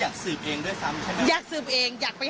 คือตอนนี้อยากสืบเองด้วยซ้ำใช่ไหม